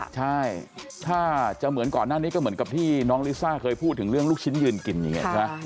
ใช่ถ้าจะเหมือนก่อนหน้านี้ก็เหมือนกับที่น้องลิซ่าเคยพูดถึงเรื่องลูกชิ้นยืนกินอย่างนี้ใช่ไหม